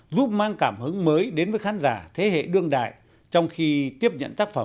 giúp mang cảm hứng mới đến với khán giả thế hệ đương đại trong khi tiếp nhận tác phẩm